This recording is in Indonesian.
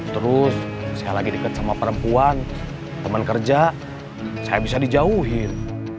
terus saya lagi dekat sama perempuan teman kerja saya bisa dijauhin